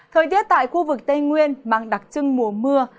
thời tiết tại khu vực tây nguyên mang đặc trưng mùa mưa